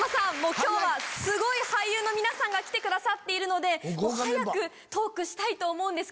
今日はすごい俳優の皆さんが来てくださっているので早くトークしたいと思うんです。